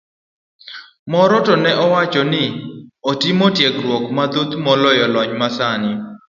Moro to ne wacho ni otimo tiegruok mathoth maloyo lony masani.